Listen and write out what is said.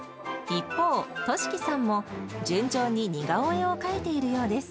一方、稔揮さんも、順調に似顔絵を描いているようです。